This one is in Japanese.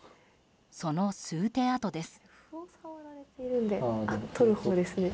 その数手あとです。